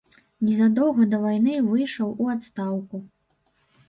Незадоўга да вайны выйшаў у адстаўку.